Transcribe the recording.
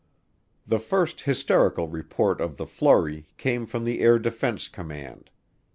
The first hysterical report of the flurry came from the Air Defense Command.